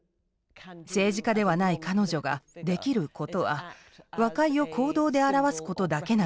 政治家ではない彼女ができることは和解を行動で表すことだけなんです。